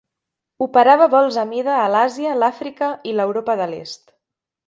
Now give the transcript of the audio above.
Operava vols a mida a l'Àsia, l'Àfrica i l'Europa de l'est.